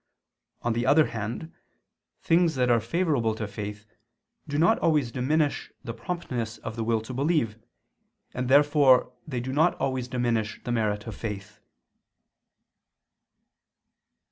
On the other hand things that are favorable to faith, do not always diminish the promptness of the will to believe, and therefore they do not always diminish the merit of faith.